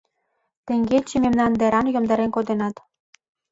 — Теҥгече мемнан деран йомдарен коденат.